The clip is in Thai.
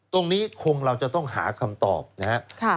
ตรงนี้คงเราจะต้องหาคำตอบนะครับ